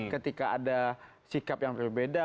ketika ada sikap yang berbeda